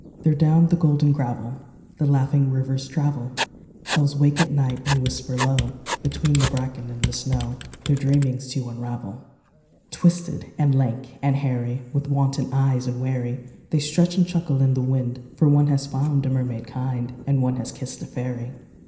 There down the golden gravel The laughing rivers travel ; Elves wake at nights and whisper low Between the bracken and the snow Their dreamings to unravel. Twisted and lank and hairy, With wanton eyes and wary, They stretch and chuckle in the wind, For one has found a mermaid kind, And one has kissed a fairy.